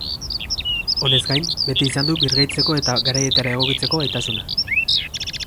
Honez gain, beti izan du birgaitzeko eta garaietara egokitzeko gaitasuna.